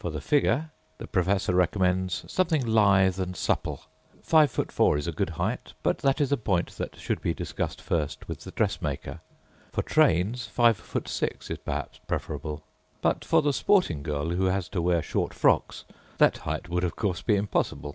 For the figure, the professor recommends something lithe and supple. Five foot four is a good height, but that is a point that should be discussed first with the dressmaker. For trains, five foot six is, perhaps, preferable. But for the sporting girl, who has to wear short frocks, that height would, of course, be impossible.